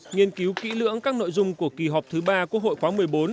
nghiên cứu kỹ lưỡng các nội dung của kỳ họp thứ ba quốc hội khóa một mươi bốn